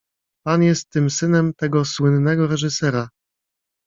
Pan jest tym synem tego słynnego reżysera.